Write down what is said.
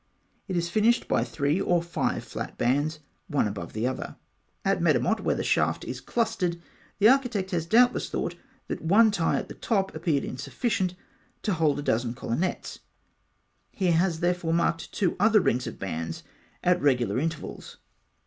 It is finished by three or five flat bands, one above the other. At Medamot, where the shaft is clustered, the architect has doubtless thought that one tie at the top appeared insufficient to hold in a dozen colonnettes; he has therefore marked two other rings of bands at regular intervals.